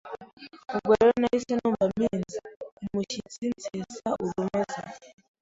Ubwo rero nahise numva mpinze umushyitsi, nsesa urumeza,